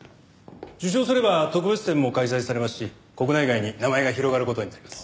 受賞すれば特別展も開催されますし国内外に名前が広がる事になります。